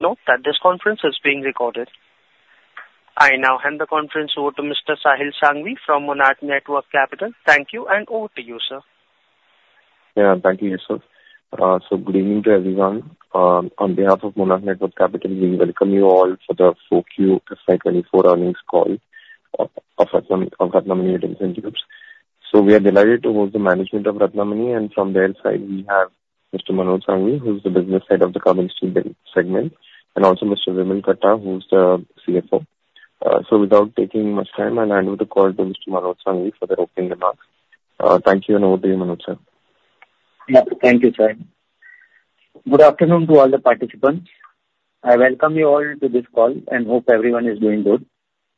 Note that this conference is being recorded. I now hand the conference over to Mr. Sahil Sanghvi from Monarch Networth Capital. Thank you, and over to you, sir. Yeah, thank you, sir. So good evening to everyone. On behalf of Monarch Networth Capital, we welcome you all for the Q4 FY 2024 Earnings Call of Ratnamani Metals & Tubes. We are delighted to host the management of Ratnamani, and from their side, we have Mr. Manoj Sanghvi, who is the business head of the carbon steel segment, and also Mr. Vimal Katta, who is the CFO. Without taking much time, I'll hand over the call to Mr. Manoj Sanghvi for the opening remarks. Thank you, and over to you, Manoj, sir. Yeah, thank you, Sahil. Good afternoon to all the participants. I welcome you all to this call and hope everyone is doing good.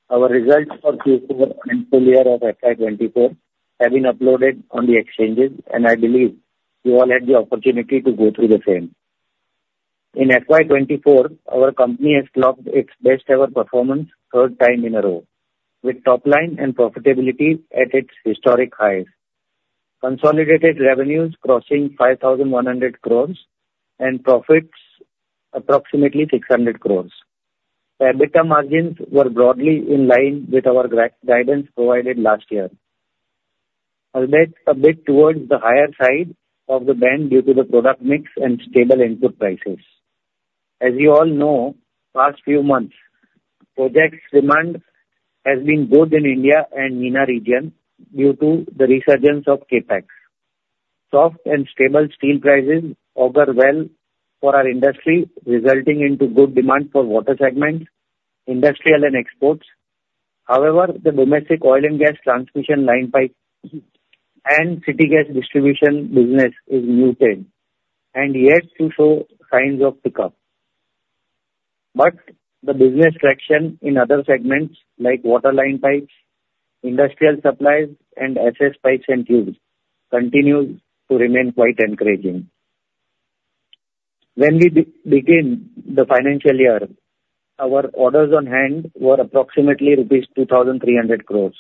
Our results for Q4 and full year of FY 2024 have been uploaded on the exchanges, and I believe you all had the opportunity to go through the same. In FY 2024, our company has clocked its best ever performance third time in a row, with top line and profitability at its historic highs. Consolidated revenues crossing 5,100 crores and profits approximately 600 crores. EBITDA margins were broadly in line with our guidance provided last year. Albeit a bit towards the higher side of the band due to the product mix and stable input prices. As you all know, past few months, projects demand has been good in India and MENA region due to the resurgence of CapEx. Soft and stable steel prices augur well for our industry, resulting into good demand for water segments, industrial and exports. However, the domestic oil and gas transmission line pipe and city gas distribution business is muted and yet to show signs of pickup. But the business traction in other segments like water line pipes, industrial supplies and SS pipes and tubes continues to remain quite encouraging. When we begin the financial year, our orders on hand were approximately rupees 2,300 crores.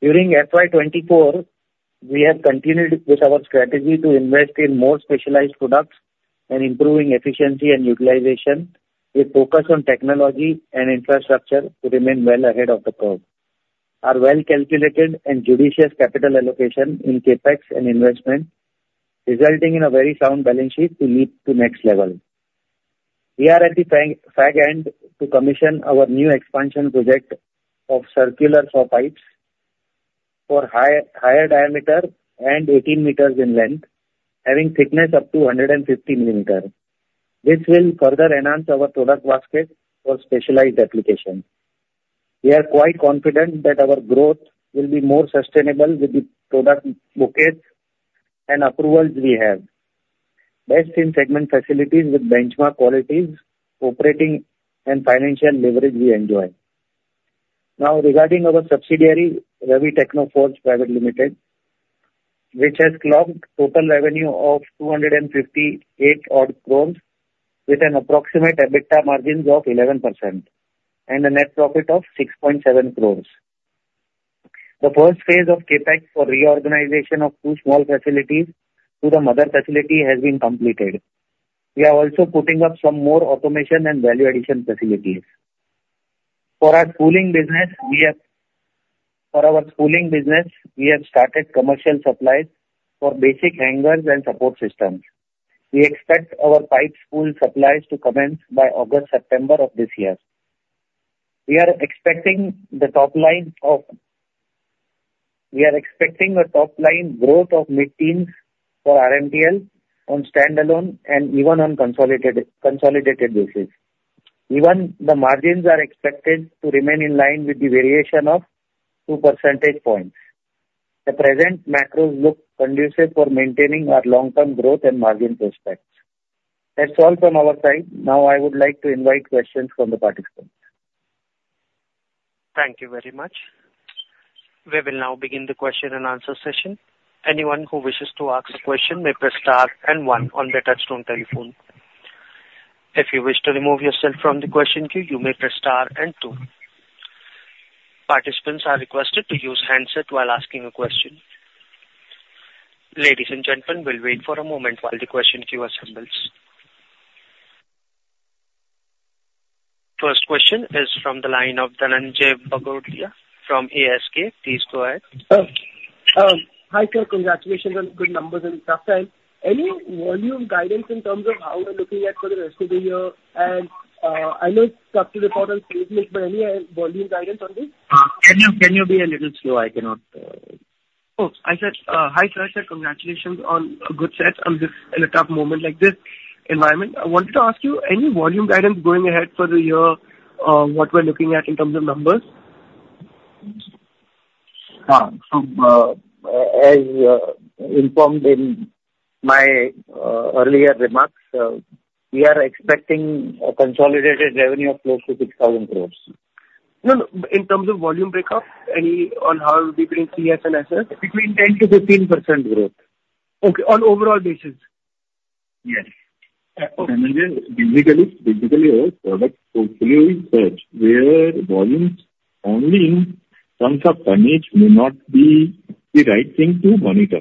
During FY24, we have continued with our strategy to invest in more specialized products and improving efficiency and utilization with focus on technology and infrastructure to remain well ahead of the curve. Our well-calculated and judicious capital allocation in CapEx and investment, resulting in a very sound balance sheet to leap to next level. We are at the fag end to commission our new expansion project of L-SAW pipes for higher diameter and 18 meters in length, having thickness up to 150 millimeters. This will further enhance our product basket for specialized applications. We are quite confident that our growth will be more sustainable with the product bouquets and approvals we have, best-in-segment facilities with benchmark qualities, operating and financial leverage we enjoy. Now, regarding our subsidiary, Ravi Technoforge Private Limited, which has clocked total revenue of 258 odd crores, with an approximate EBITDA margin of 11% and a net profit of 6.7 crores. The first phase of CapEx for reorganization of two small facilities to the mother facility has been completed. We are also putting up some more automation and value addition facilities. For our spooling business, we have... For our spooling business, we have started commercial supplies for basic hangers and support systems. We expect our pipe spool supplies to commence by August, September of this year. We are expecting a top-line growth of mid-teens for RMTL on standalone and even on consolidated basis. Even the margins are expected to remain in line with the variation of two percentage points. The present macros look conducive for maintaining our long-term growth and margin prospects. That's all from our side. Now, I would like to invite questions from the participants. Thank you very much. We will now begin the question and answer session. Anyone who wishes to ask a question may press star and one on their touchtone telephone. If you wish to remove yourself from the question queue, you may press star and two. Participants are requested to use handset while asking a question. Ladies and gentlemen, we'll wait for a moment while the question queue assembles. First question is from the line of Dhananjay Bagrodia from ASK. Please go ahead. Hi, sir. Congratulations on good numbers and tough time. Any volume guidance in terms of how we're looking at for the rest of the year? And, I know it's tough to report on sales mix, but any volume guidance on this? Can you be a little slow? I cannot, Oh, I said, hi, sir. Congratulations on a good set on this, in a tough moment like this environment. I wanted to ask you, any volume guidance going ahead for the year, what we're looking at in terms of numbers? So, as informed in my earlier remarks, we are expecting a consolidated revenue of close to 6,000 crore. No, no, in terms of volume breakup, and on how between CS and SS, between 10%-15% growth. Okay, on overall basis. Yes. I mean, basically, basically our product portfolio is such where volumes only in terms of tonnage may not be the right thing to monitor.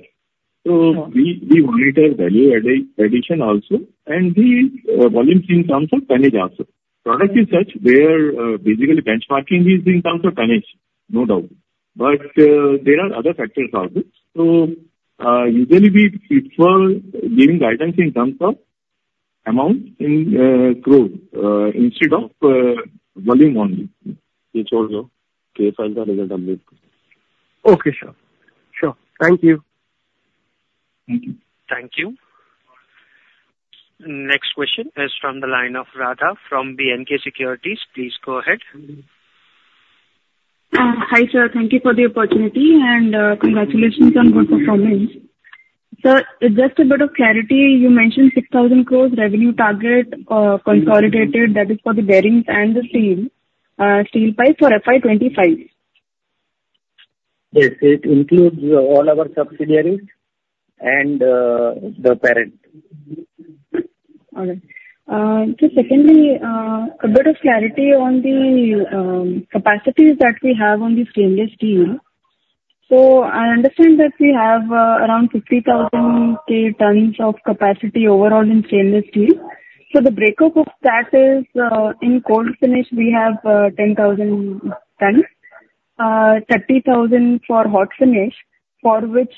So we monitor value addition also, and the volumes in terms of tonnage also. The product is such where basically benchmarking is in terms of tonnage, no doubt, but there are other factors also. So usually we prefer giving guidance in terms of amount in growth instead of volume only. Okay, sure. Sure. Thank you. Thank you. Next question is from the line of Radha from BNK Securities. Please go ahead. Hi, sir. Thank you for the opportunity and, congratulations on good performance. Sir, just a bit of clarity, you mentioned 6,000 crore revenue target, consolidated, that is for the bearings and the steel, steel pipes for FY 2025. Yes, it includes all our subsidiaries and the parent. All right. So secondly, a bit of clarity on the capacities that we have on the stainless steel. So I understand that we have around 50,000 tons of capacity overall in stainless steel. So the breakup of that is, in cold finish, we have 10,000 tons, 30,000 for hot finish, for which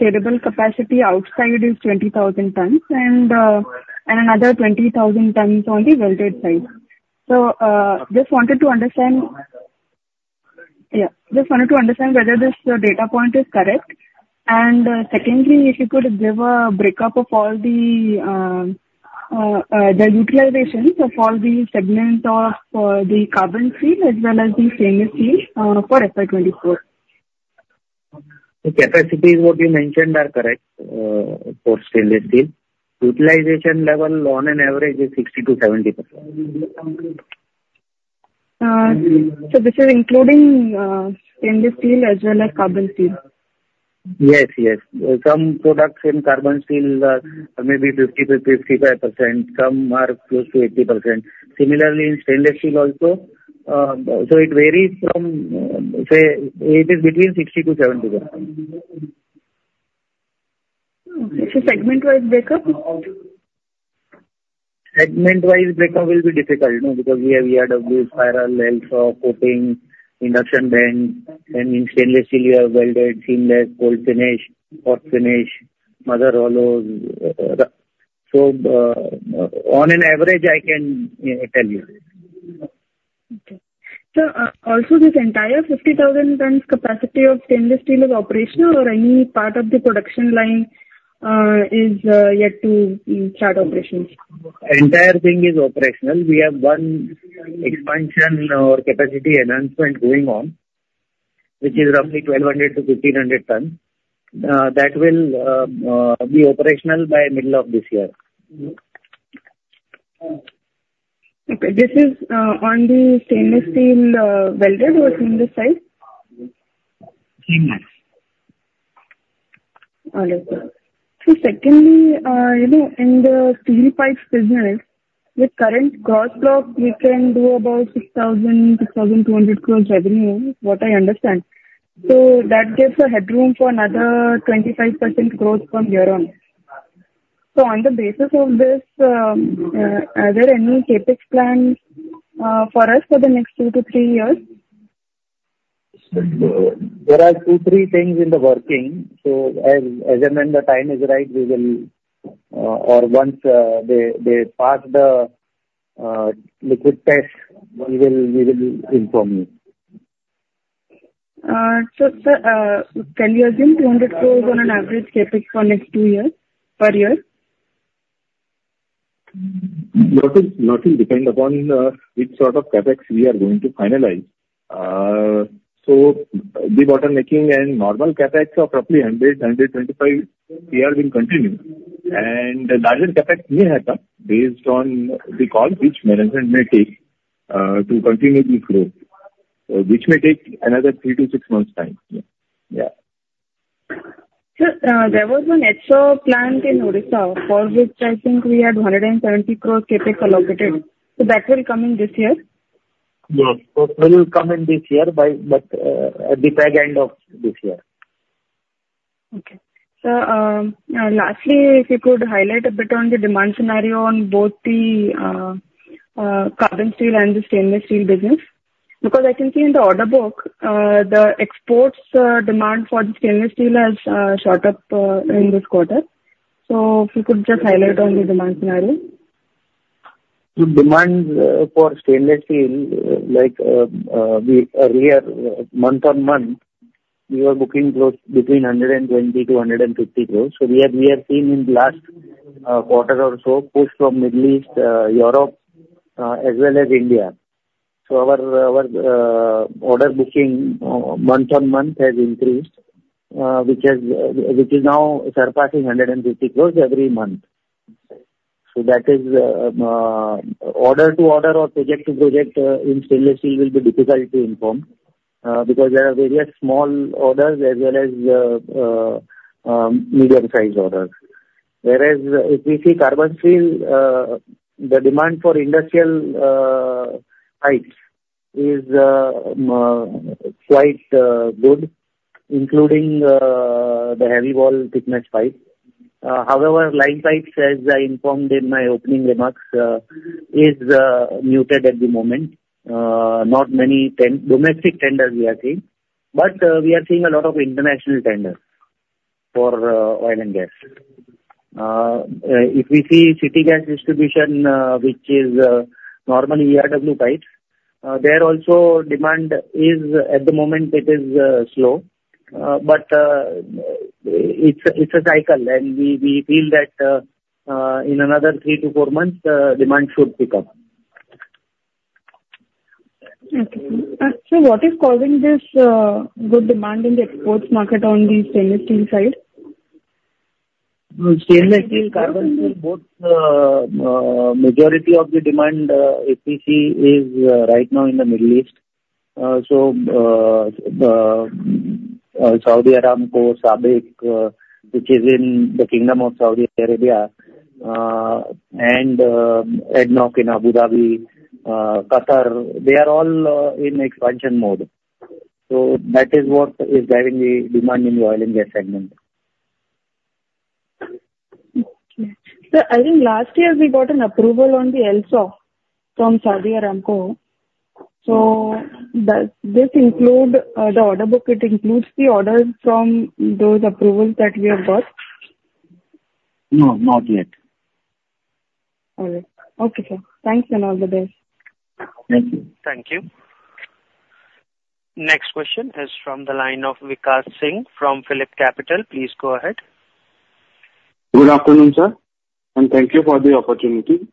saleable capacity outside is 20,000 tons, and another 20,000 tons on the welded side. So just wanted to understand... Yeah, just wanted to understand whether this data point is correct. And secondly, if you could give a breakup of all the utilizations of all the segments of the carbon steel as well as the stainless steel, for FY 2024. The capacities what you mentioned are correct, for stainless steel. Utilization level on an average is 60%-70%. So this is including stainless steel as well as carbon steel? Yes, yes. Some products in carbon steel are maybe 50%-55%, some are close to 80%. Similarly, in stainless steel also, so it varies from, say, it is between 60%-70%. Segment-wise breakup? Segment-wise breakup will be difficult, you know, because we have ERW, spiral, SAW, coating, induction bend, and in stainless steel we have welded, seamless, cold finish, hot finish, mother rolls. On average, I can tell you. Okay. Sir, also this entire 50,000 tons capacity of stainless steel is operational, or any part of the production line is yet to start operations? Entire thing is operational. We have one expansion or capacity enhancement going on, which is roughly 1,200-1,500 tons. That will be operational by middle of this year. Okay. This is on the stainless steel, welded or seamless side? Seamless. All right, sir. Secondly, you know, in the steel pipes business, with current Gross Block, we can do about 6,000 crores-6,200 crores revenue, what I understand. That gives a headroom for another 25% growth from here on. On the basis of this, are there any CapEx plans for us for the next two to three years? There are two, three things in the working. So as and when the time is right, we will, or once they pass the liquid test, we will inform you. So, sir, can we assume 200 crore on an average CapEx for next 2 years, per year? That will, that will depend upon which sort of CapEx we are going to finalize. So the bottom making and normal CapEx of roughly 100-125, they are being continued. And the larger CapEx may happen based on the call which management may take to continue the growth, which may take another 3-6 months time. Yeah, yeah. Sir, there was an extra plant in Odisha, for which I think we had 170 crore CapEx allocated. That will come in this year? Yes. So that will come in this year, but at the back end of this year. Okay. So, lastly, if you could highlight a bit on the demand scenario on both the carbon steel and the stainless steel business. Because I can see in the order book, the exports demand for the stainless steel has shot up in this quarter. So if you could just highlight on the demand scenario. The demand for stainless steel, like, we earlier month-on-month were booking close between 120 crore-150 crore. So we have, we have seen in the last quarter or so push from Middle East, Europe, as well as India. So our, our order booking month-on-month has increased, which has, which is now surpassing 150 crore every month. So that is order to order or project to project in stainless steel will be difficult to inform because there are various small orders as well as medium-sized orders. Whereas if we see carbon steel, the demand for industrial pipes is quite good, including the heavy wall thickness pipe. However, line pipes, as I informed in my opening remarks, is muted at the moment. Not many domestic tenders we are seeing, but we are seeing a lot of international tenders for oil and gas. If we see city gas distribution, which is normally ERW pipes, there also demand is slow at the moment. But it's a cycle, and we feel that in another 3-4 months, demand should pick up. Okay. So what is causing this good demand in the exports market on the stainless steel side? Well, stainless steel, carbon steel, both, majority of the demand, APC is right now in the Middle East. So, Saudi Aramco, SABIC, which is in the Kingdom of Saudi Arabia, and ADNOC in Abu Dhabi, Qatar, they are all in expansion mode. So that is what is driving the demand in the oil and gas segment. Okay. Sir, I think last year we got an approval on the L-SAW from Saudi Aramco. So does this include the order book? It includes the orders from those approvals that we have got? No, not yet. All right. Okay, sir. Thanks, and all the best. Thank you. Thank you. Next question is from the line of Vikash Singh from PhillipCapital. Please go ahead. Good afternoon, sir, and thank you for the opportunity.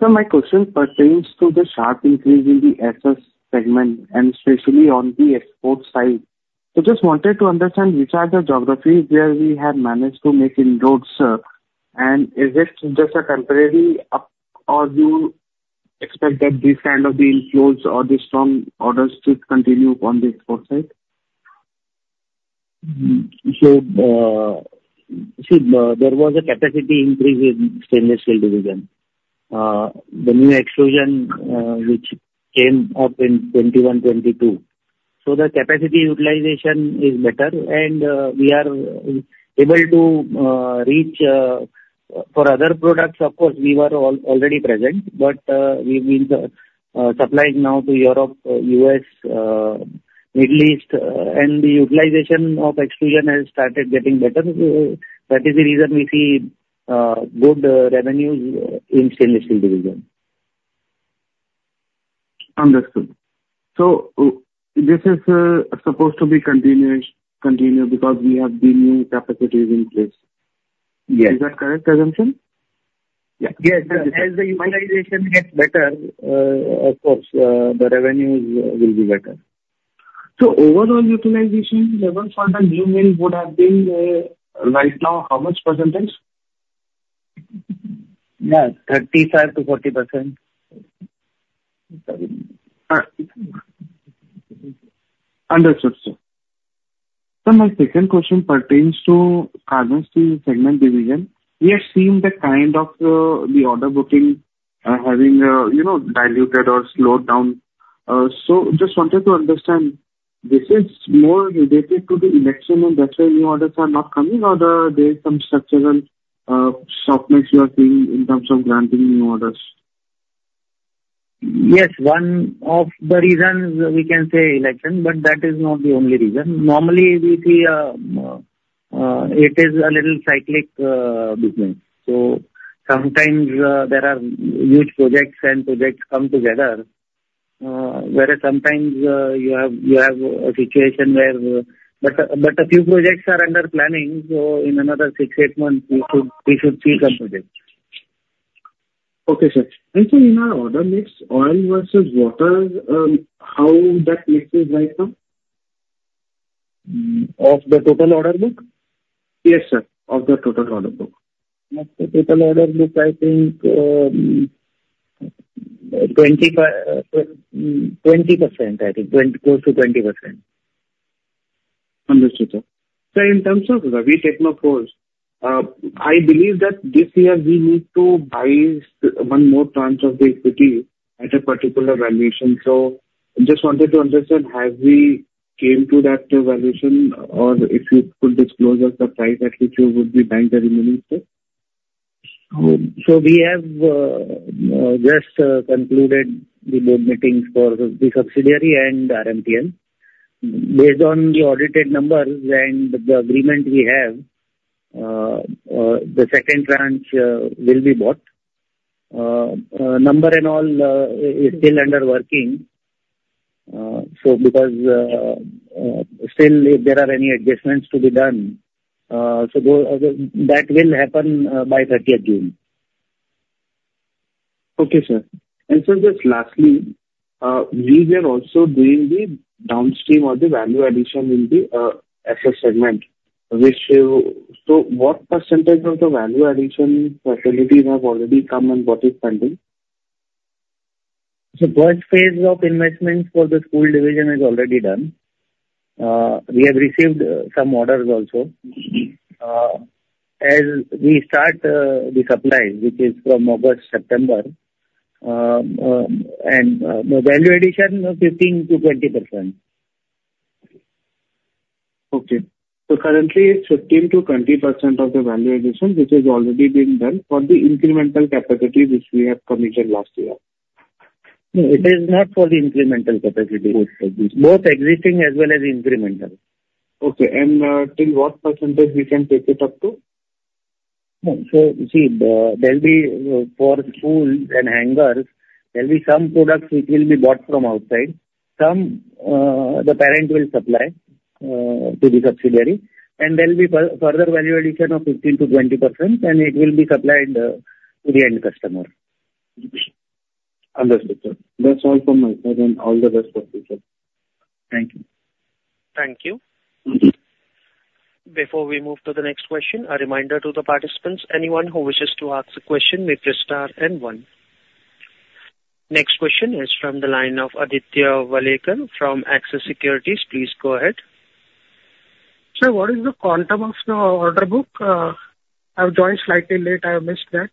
My question pertains to the sharp increase in the SS segment, and especially on the export side. Just wanted to understand, which are the geographies where we have managed to make inroads, sir? And is it just a temporary up, or do you expect that this kind of the inflows or the strong orders to continue on the export side? So, there was a capacity increase in stainless steel division. The new extrusion, which came up in 2021, 2022. So the capacity utilization is better, and we are able to reach... For other products, of course, we were already present, but we've been supplying now to Europe, U.S., Middle East, and the utilization of extrusion has started getting better. That is the reason we see good revenues in stainless steel division. Understood. This is supposed to be continuous because we have the new capacities in place. Is that correct assumption? Yes, as the utilization gets better, of course, the revenues will be better. Overall utilization levels for the new mill would have been, right now, how much %? Yeah, 35%-40%. Understood, sir. So my second question pertains to carbon steel segment division. We are seeing the kind of, the order booking, having, you know, diluted or slowed down. So just wanted to understand, this is more related to the election and that's why new orders are not coming, or there are some structural, softness you are seeing in terms of granting new orders? Yes, one of the reasons we can say election, but that is not the only reason. Normally, we see, it is a little cyclical business. So sometimes, there are huge projects, and projects come together, whereas sometimes, you have a situation where... But a few projects are under planning, so in another 6-8 months, we should see some projects. Okay, sir. In our order mix, oil versus water, how that mix is right now? Of the total order book? Yes, sir, of the total order book. Of the total order book, I think, 20%, I think. 20, close to 20%. Understood, sir. So in terms of the Technoforge, I believe that this year we need to buy one more tranche of the equity at a particular valuation. So just wanted to understand, have we came to that valuation? Or if you could disclose us the price at which you would be buying the remaining share? So we have just concluded the board meetings for the subsidiary and RMTL. Based on the audited numbers and the agreement we have, the second tranche will be bought. Number and all is still under working. So because still if there are any adjustments to be done, so those are the-- That will happen by thirtieth June. Okay, sir. And so just lastly, we were also doing the downstream or the value addition in the SS segment. So what percentage of the value addition facilities have already come and what is pending? So first phase of investments for the steel division is already done. We have received some orders also. As we start the supply, which is from August, September, and the value addition of 15%-20%. Okay. Currently it's 15%-20% of the value addition, which is already being done for the incremental capacity which we have committed last year? No, it is not for the incremental capacity. Both existing as well as incremental. Okay. Till what percentage we can take it up to? See, there'll be for spools and hangers, there'll be some products which will be bought from outside. Some, the parent will supply to the subsidiary, and there'll be further value addition of 15%-20%, and it will be supplied to the end customer. Understood, sir. That's all from my side, and all the best for future. Thank you. Thank you. Before we move to the next question, a reminder to the participants. Anyone who wishes to ask a question, may press star then one. Next question is from the line of Aditya Welekar from Axis Securities. Please go ahead. Sir, what is the quantum of the order book? I've joined slightly late. I have missed that.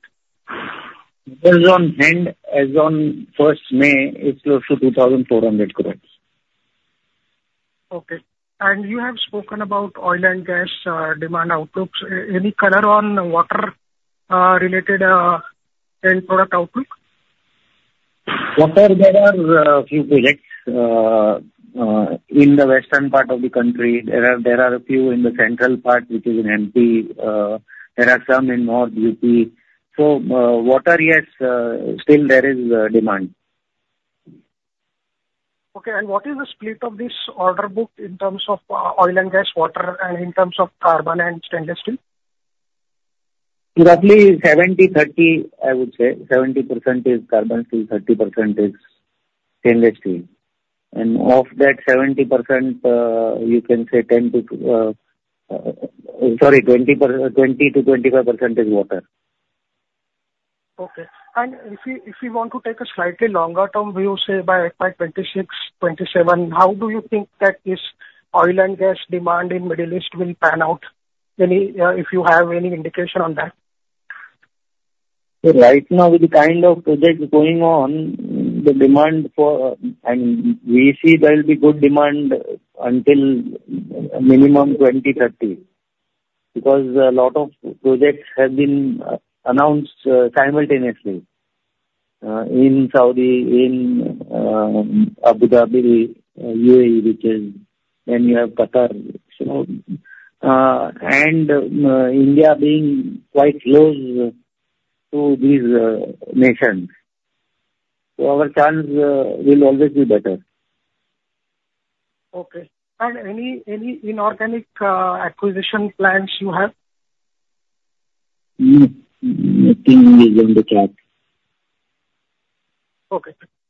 As on end, as on first May, it's close to 2,400 crore. Okay. And you have spoken about oil and gas, demand outlooks. Any color on water, related, end product outlook? Water, there are a few projects in the western part of the country. There are a few in the central part, which is in MP. There are some in North UP. So, water, yes, still there is demand. Okay. And what is the split of this order book in terms of, oil and gas, water, and in terms of carbon and stainless steel? Roughly 70/30, I would say. 70% is carbon steel, 30% is stainless steel. And of that 70%, you can say 20 to 25% is water. Okay. And if we, if we want to take a slightly longer term view, say by, by 2026, 2027, how do you think that this oil and gas demand in Middle East will pan out? Any, if you have any indication on that? Right now, with the kind of projects going on, the demand for... And we see there'll be good demand until minimum 2030, because a lot of projects have been announced simultaneously in Saudi, in Abu Dhabi, UAE, which is, then you have Qatar. So, and India being quite close to these nations, so our chance will always be better. Okay. And any inorganic acquisition plans you have? Nothing is on the chart. Okay.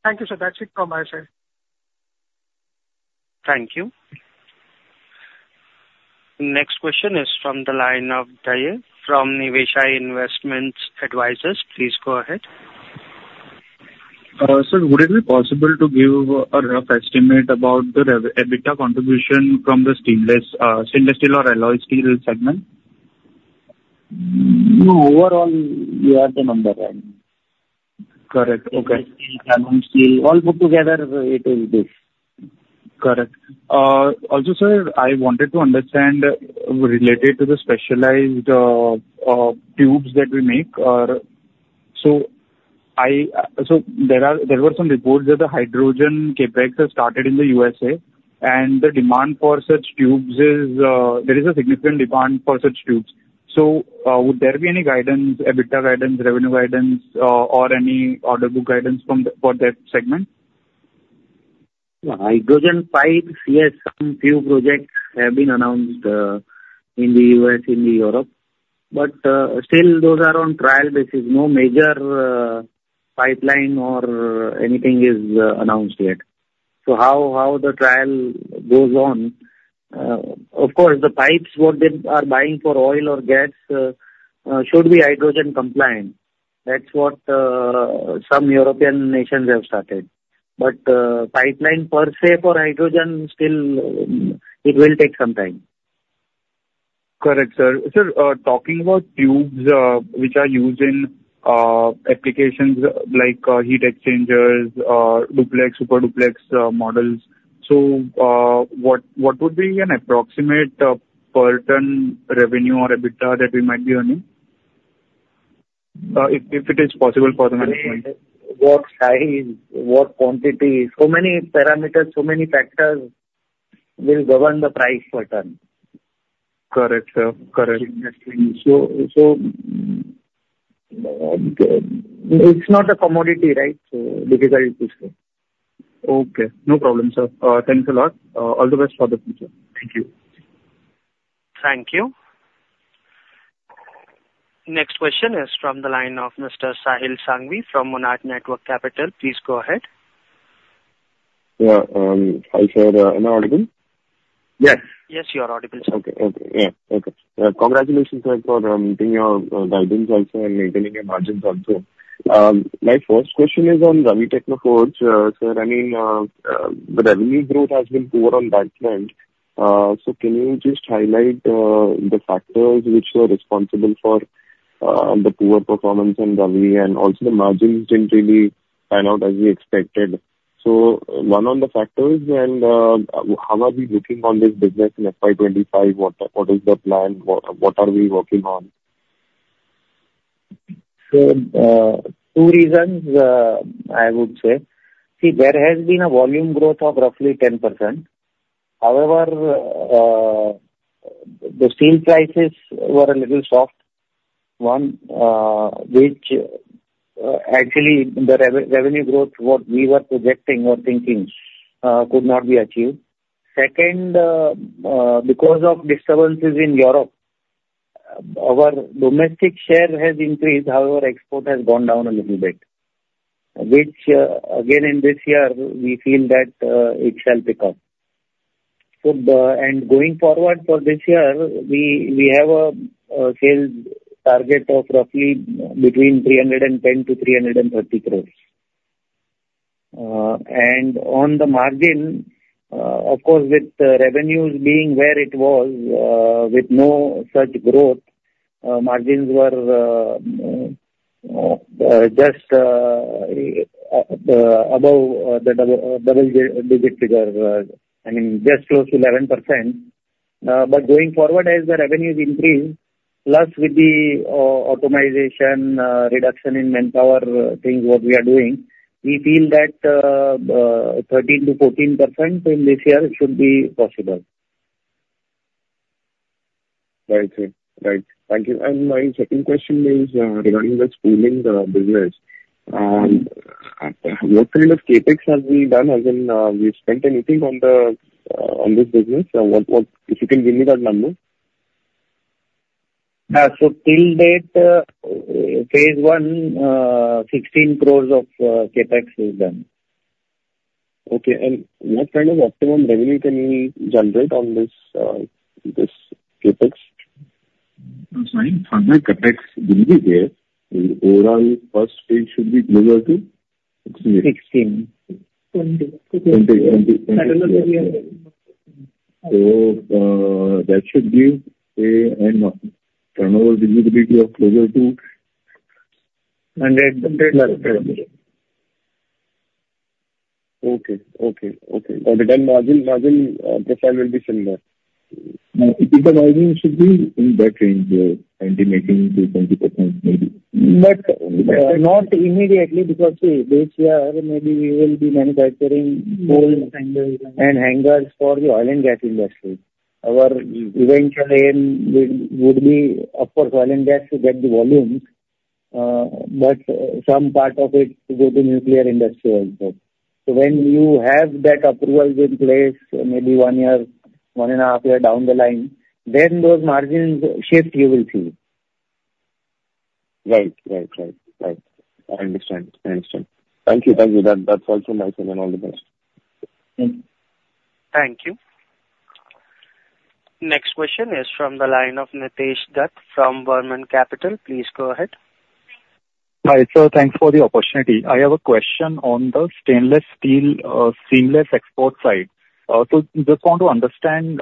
Thank you, sir. That's it from my side. Thank you. Next question is from the line of Dayal from Nivesha Investment Advisors. Please go ahead. Sir, would it be possible to give a rough estimate about the EBITDA contribution from the stainless steel or alloy steel segment? No. Overall, we have the number then. Correct. Okay. Steel, alloy steel, all put together, it is this. Correct. Also, sir, I wanted to understand, related to the specialized tubes that we make. So, so there are, there were some reports that the hydrogen CapEx has started in the USA, and the demand for such tubes is, there is a significant demand for such tubes. So, would there be any guidance, EBITDA guidance, revenue guidance, or any order book guidance for that segment? Hydrogen pipes, yes, some few projects have been announced in the U.S., in the Europe, but still those are on trial basis. No major pipeline or anything is announced yet. So how the trial goes on... Of course, the pipes what they are buying for oil or gas should be hydrogen compliant. That's what some European nations have started. But pipeline per se for hydrogen, still it will take some time. Correct, sir. Sir, talking about tubes, which are used in applications like heat exchangers, Duplex, Super Duplex, models. So, what, what would be an approximate per ton revenue or EBITDA that we might be earning? If, if it is possible for the management. What size, what quantity? So many parameters, so many factors will govern the price per ton. Correct, sir. Correct. It's not a commodity, right? So difficult to say. Okay. No problem, sir. Thanks a lot. All the best for the future. Thank you. Thank you. Next question is from the line of Mr. Sahil Sanghvi from Monarch Networth Capital. Please go ahead. Yeah, I said, am I audible? Yes, you are audible, sir. Okay. Okay. Yeah. Okay. Congratulations, sir, for meeting your guidance also and maintaining your margins also. My first question is on Ravi Technoforge. Sir, I mean, the revenue growth has been poor on back end... So can you just highlight the factors which were responsible for the poor performance in the RE, and also the margins didn't really pan out as we expected. So one on the factors, and how are we looking on this business in FY 25? What is the plan? What are we working on? So, two reasons, I would say. See, there has been a volume growth of roughly 10%. However, the steel prices were a little soft, one, which, actually the revenue growth what we were projecting or thinking, could not be achieved. Second, because of disturbances in Europe, our domestic share has increased, however, export has gone down a little bit, which, again, in this year, we feel that, it shall pick up. So the, and going forward for this year, we, we have a, sales target of roughly between 310 crore-330 crore. And on the margin, of course, with the revenues being where it was, with no such growth, margins were, just above the double-digit figure. I mean, just close to 11%. But going forward as the revenues increase, plus with the automation, reduction in manpower, things what we are doing, we feel that 13%-14% in this year should be possible. Right, sir. Right. Thank you. And my second question is regarding the steel business. What kind of CapEx have we done? Have we spent anything on this business? If you can give me that number. Yeah. So till date, phase one, 16 crore of CapEx is done. Okay. And what kind of optimum revenue can we generate on this, this CapEx? Sorry, from the CapEx will be there. The overall first stage should be closer to 16. Sixteen. That should give an end turnover visibility of closer to- 100, 100%. Okay. Okay, okay. But then margin, margin, profile will be similar? The margin should be in that range, 99%-20% maybe. But not immediately, because this year maybe we will be manufacturing mold and hangers for the oil and gas industry. Our eventual aim would be, of course, oil and gas to get the volumes, but some part of it to go to nuclear industry also. So when you have that approval in place, maybe 1 year, 1.5 years down the line, then those margins shift, you will see. Right. I understand. I understand. Thank you. That, that's all from my side, and all the best. Thank you. Thank you. Next question is from the line of Nitesh Dutt from Burman Capital. Please go ahead. Hi, sir. Thanks for the opportunity. I have a question on the stainless steel, seamless export side. So just want to understand,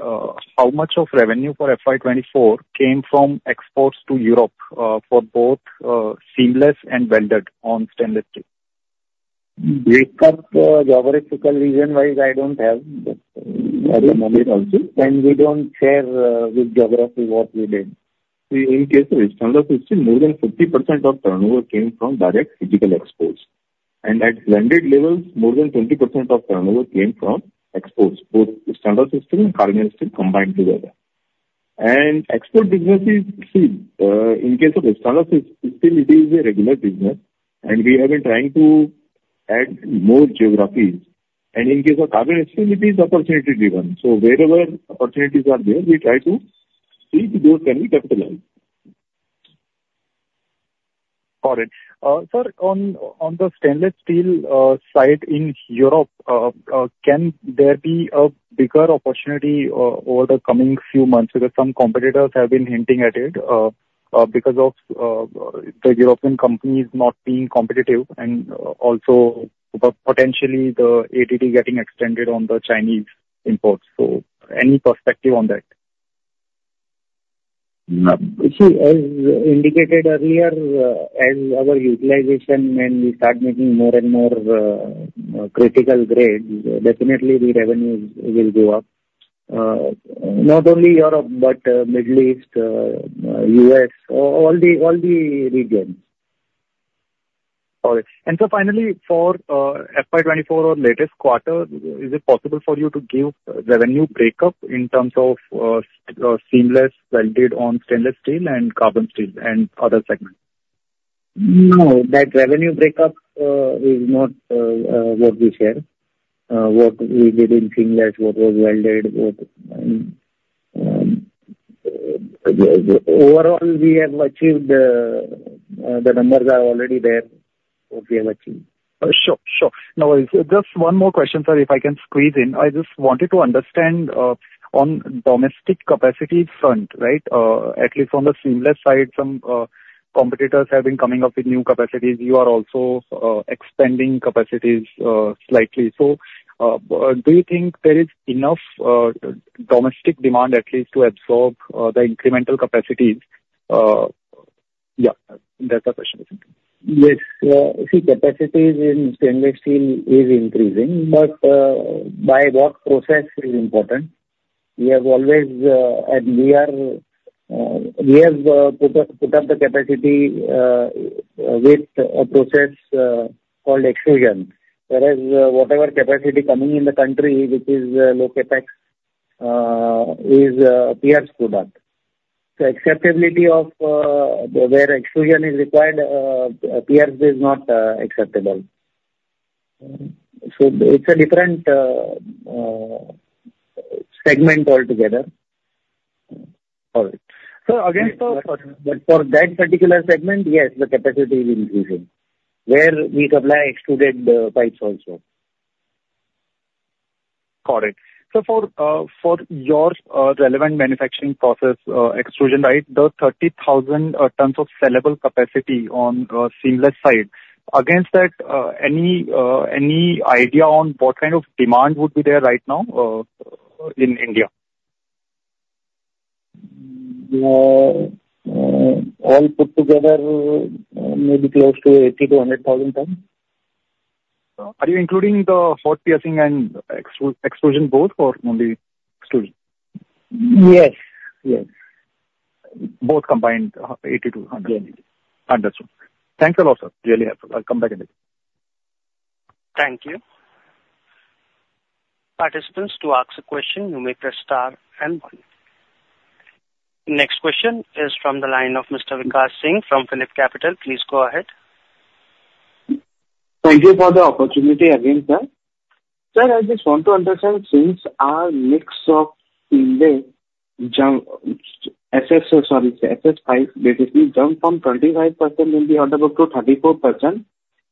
how much of revenue for FY 2024 came from exports to Europe, for both, seamless and welded on stainless steel? Breakup, geographical region-wise, I don't have. But I don't know it also. We don't share with geography what we did. See, in case of stainless steel, more than 50% of turnover came from direct physical exports. At blended levels, more than 20% of turnover came from exports, both stainless steel and carbon steel combined together. Export business is... See, in case of stainless steel, it is a regular business, and we have been trying to add more geographies. In case of carbon steel, it is opportunity driven. Wherever opportunities are there, we try to see if those can be capitalized. Got it. Sir, on the stainless steel side in Europe, can there be a bigger opportunity over the coming few months? Because some competitors have been hinting at it, because of the European companies not being competitive, and also potentially the AD getting extended on the Chinese imports. So any perspective on that? See, as indicated earlier, as our utilization and we start making more and more critical grades, definitely the revenues will go up. Not only Europe, but Middle East, US, all the regions. All right. Finally, for FY 2024 or latest quarter, is it possible for you to give revenue breakup in terms of seamless, welded on stainless steel and carbon steel and other segments? No, that revenue breakup is not what we share. What we did in seamless, what was welded, what overall we have achieved, the numbers are already there, what we have achieved. Sure, sure. Now, just one more question, sir, if I can squeeze in. I just wanted to understand, on domestic capacity front, right? At least on the seamless side, some competitors have been coming up with new capacities. You are also expanding capacities slightly. So, do you think there is enough domestic demand at least to absorb the incremental capacities? Yeah, that's the question. Yes. See, capacities in stainless steel is increasing, but by what process is important. We have always and we are. We have put up the capacity with a process called extrusion. Whereas whatever capacity coming in the country, which is low CapEx, is pierced product. So acceptability of where extrusion is required, pierced is not acceptable. So it's a different segment altogether. Got it. So again, But for that particular segment, yes, the capacity is increasing where we supply extruded pipes also. Got it. So for your relevant manufacturing process, extrusion, right, the 30,000 tons of sellable capacity on seamless side, against that, any idea on what kind of demand would be there right now in India? All put together, maybe close to 80,000-100,000 tons. Are you including the hot piercing and extrusion both or only extrusion? Yes. Both combined, 80-100. Yeah. Understood. Thanks a lot, sir. Really helpful. I'll come back again. Thank you. Participants, to ask a question, you may press star and one. Next question is from the line of Mr. Vikas Singh from PhillipCapital. Please go ahead. Thank you for the opportunity again, sir. Sir, I just want to understand, since our mix of in the jump, SS, sorry, SS pipes, basically jumped from 25% in the order book to 34%,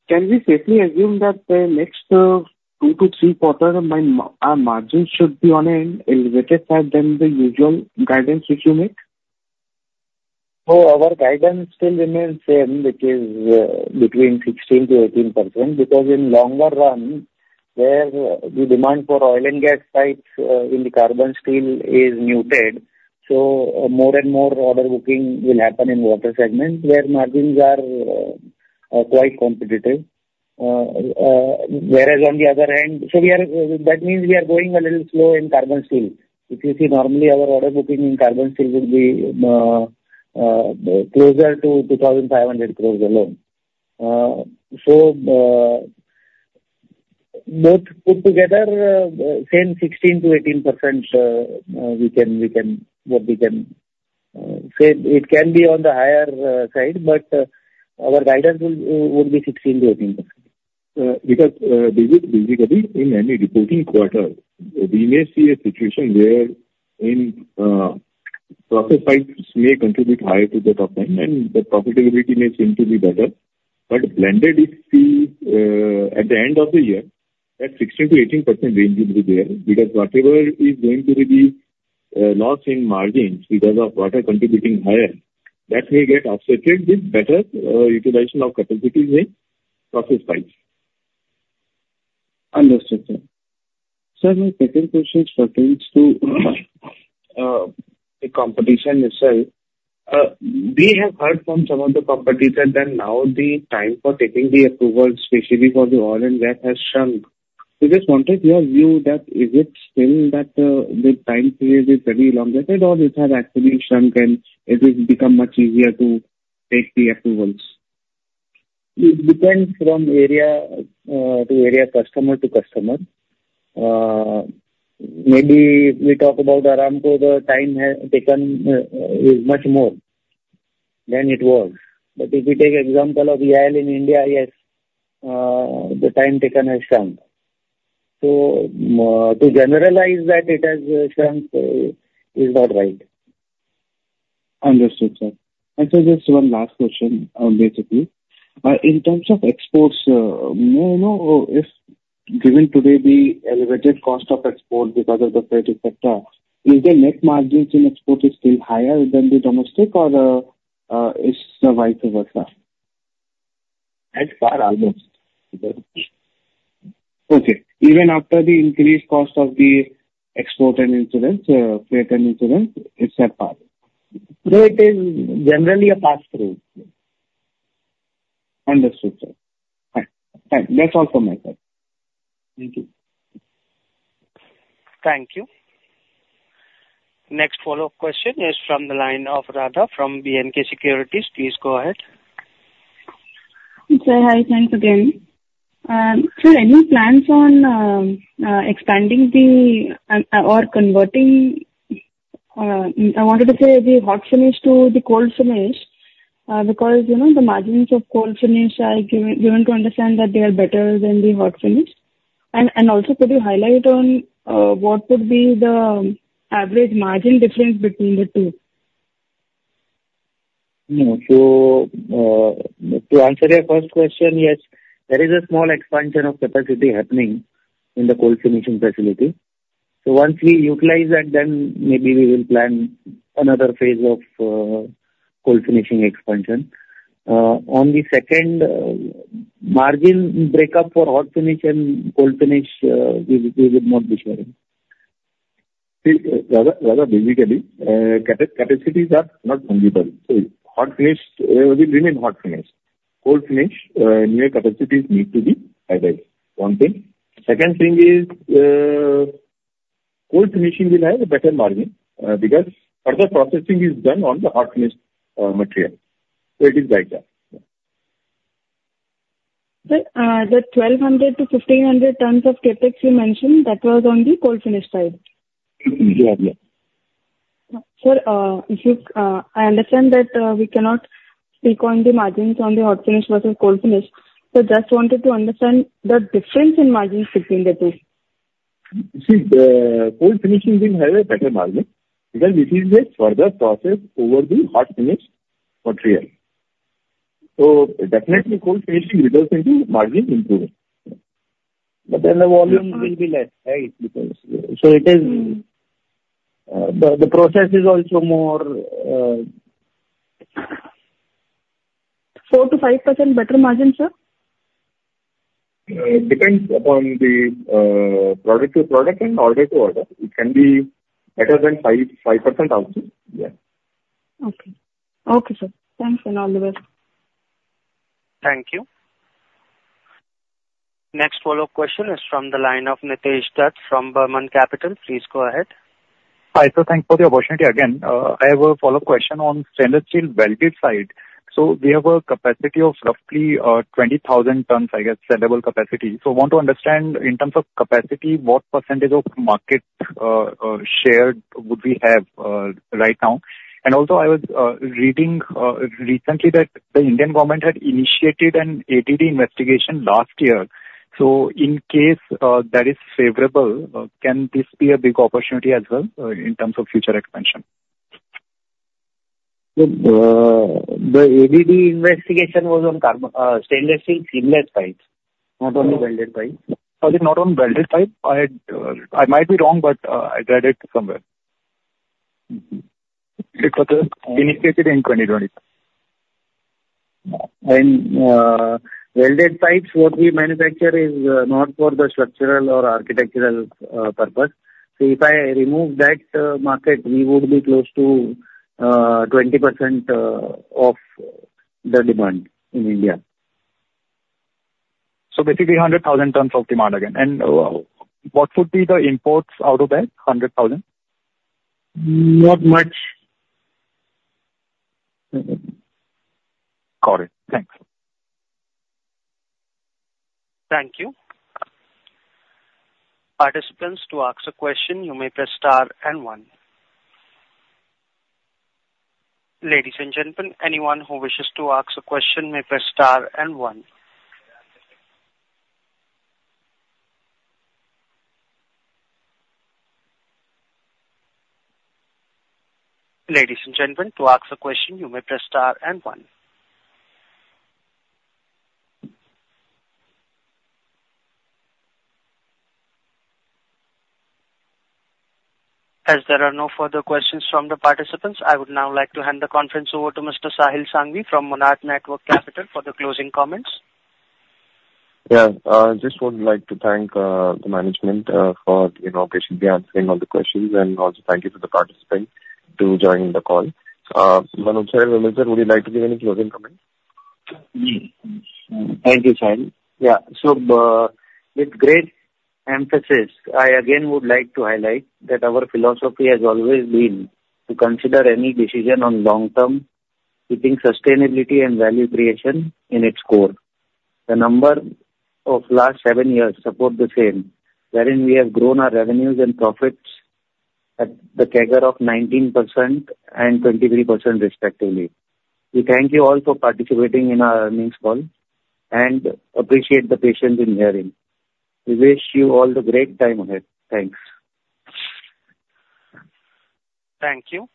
can we safely assume that the next 2-3 quarters, our margins should be on an elevated side than the usual guidance which you make? So our guidance still remains same, which is, between 16%-18%, because in longer run, where the demand for oil and gas pipes, in the carbon steel is muted, so more and more order booking will happen in water segment, where margins are, quite competitive. Whereas on the other hand... So we are, that means we are going a little slow in carbon steel. If you see normally, our order booking in carbon steel will be, closer to 2,500 crore alone. So, both put together, same 16%-18%, we can, we can, what we can, say. It can be on the higher, side, but, our guidance will, would be 16%-18%. Because, usually, in any reporting quarter, we may see a situation where in, process pipes may contribute higher to the top line, and the profitability may seem to be better. But blended, if we, at the end of the year, that 16%-18% range will be there. Because whatever is going to be the, loss in margins because of water contributing higher, that may get offset with better, utilization of capacities in process pipes. Understood, sir. Sir, my second question pertains to the competition itself. We have heard from some of the competitors that now the time for taking the approval, especially for the oil and gas, has shrunk. So just wanted your view, that is it still that, the time period is very elongated, or it has actually shrunk, and it has become much easier to take the approvals? It depends from area to area, customer to customer. Maybe we talk about Aramco, the time has taken is much more than it was. But if you take example of EIL in India, yes, the time taken has shrunk. So, to generalize that it has shrunk is not right. Understood, sir. And so just one last question, basically. In terms of exports, more, you know, if given today the elevated cost of export because of the freight, et cetera, is the net margins in export still higher than the domestic or it's the vice versa? At par almost. Okay. Even after the increased cost of the export and insurance, freight and insurance, it's at par? No, it is generally a pass through. Understood, sir. Thank you. That's all from my side. Thank you. Thank you. Next follow-up question is from the line of Radha from B&K Securities. Please go ahead. Sir, hi. Thanks again. Sir, any plans on expanding or converting—I wanted to say—the Hot Finish to the Cold Finish? Because, you know, the margins of Cold Finish are given to understand that they are better than the Hot Finish. And also could you highlight on what would be the average margin difference between the two? So, to answer your first question, yes, there is a small expansion of capacity happening in the cold finishing facility. So once we utilize that, then maybe we will plan another phase of cold finishing expansion. On the second, margin breakup for hot finish and cold finish, we would not be sharing. See, Radha basically, capacities are not changeable. So hot finish will remain hot finish. Cold finish, new capacities need to be added. One thing. Second thing is, cold finishing will have a better margin, because further processing is done on the hot finish material, so it is like that. Sir, the 1200-1500 tons of CapEx you mentioned, that was on the cold finish side? Yeah. Sir, I understand that we cannot comment on the margins on the Hot Finish versus Cold Finish, so just wanted to understand the difference in margins between the two. See, the cold finishing will have a better margin, because this is a further process over the hot finish material. So definitely cold finishing results into margin improvement. But then the volume will be less, right? Because so it is, the process is also more- 4%-5% better margin, sir? It depends upon the product to product and order to order. It can be better than 5.5% also. Yeah. Okay. Okay, sir. Thanks, and all the best. Thank you. Next follow-up question is from the line of Nitesh Dutt from Verment Capital. Please go ahead. Hi, sir. Thanks for the opportunity again. I have a follow-up question on stainless steel welded side. So we have a capacity of roughly 20,000 tons, I guess, sellable capacity. So I want to understand, in terms of capacity, what percentage of market share would we have right now? And also, I was reading recently that the Indian government had initiated an ADD investigation last year. So in case that is favorable, can this be a big opportunity as well in terms of future expansion? Well, the ADD investigation was on carbon, stainless steel seamless pipes, not on the welded pipes. Was it not on welded pipe? I had, I might be wrong, but, I read it somewhere. It was initiated in 2020. Welded pipes, what we manufacture is not for the structural or architectural purpose. So if I remove that market, we would be close to 20% of the demand in India. Basically, 100,000 tons of demand again. What would be the imports out of that 100,000? Not much. Got it. Thanks. Thank you. Participants, to ask a question, you may press star and one. Ladies and gentlemen, anyone who wishes to ask a question may press star and one. Ladies and gentlemen, to ask a question, you may press star and one. As there are no further questions from the participants, I would now like to hand the conference over to Mr. Sahil Sanghvi from Monarch Networth Capital for the closing comments. Yeah. I just would like to thank the management for, you know, patiently answering all the questions. And also thank you to the participants to joining the call. Manoj sir, would you like to give any closing comments? Thank you, Sahil. Yeah. So, with great emphasis, I again would like to highlight that our philosophy has always been to consider any decision on long term, keeping sustainability and value creation in its core. The number of last seven years support the same, wherein we have grown our revenues and profits at the CAGR of 19% and 23% respectively. We thank you all for participating in our earnings call and appreciate the patience in hearing. We wish you all the great time ahead. Thanks. Thank you.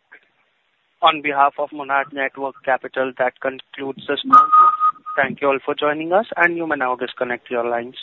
On behalf of Monarch Networth Capital, that concludes this call. Thank you all for joining us, and you may now disconnect your lines.